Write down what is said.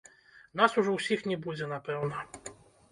Нас ужо ўсіх не будзе, напэўна.